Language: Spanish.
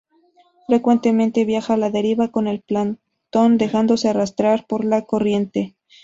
Frecuentemente viaja a la deriva con el plancton, dejándose arrastrar por la corriente.